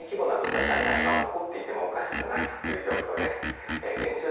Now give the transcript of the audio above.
すでに大規模な土砂災害が起こっていてもおかしくないという状況です。